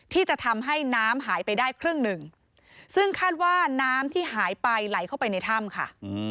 ที่จะทำให้น้ำหายไปได้ครึ่งหนึ่งซึ่งคาดว่าน้ำที่หายไปไหลเข้าไปในถ้ำค่ะ